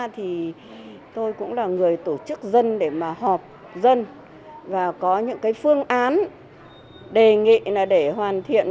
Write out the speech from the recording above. thì tôi cũng là người tổ chức dân để mà họp dân và có những cái phương án đề nghị là để hoàn thiện